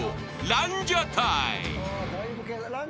ランジャタイさん？